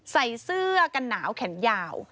ใส่เสื้อกันหนาวแขนยาว